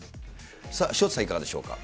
さあ、潮田さん、いかがでしょうか。